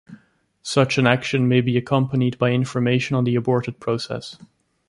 Such an action may be accompanied by information on the aborted process.